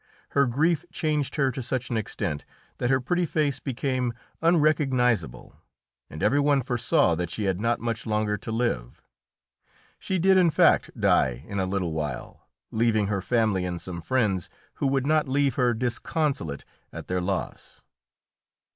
Her grief changed her to such an extent that her pretty face became unrecognisable, and every one foresaw that she had not much longer to live. She did, in fact, die in a little while, leaving her family and some friends who would not leave her disconsolate at their loss.